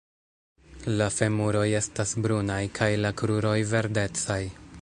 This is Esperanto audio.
La femuroj estas brunaj kaj la kruroj verdecaj.